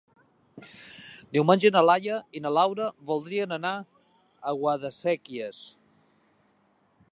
Diumenge na Laia i na Laura voldrien anar a Guadasséquies.